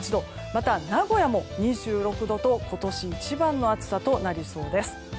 また、名古屋も２６度と今年一番の暑さとなりそうです。